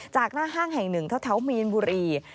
จากหน้าห้างแห่งหนึ่งแถวมีนบุรี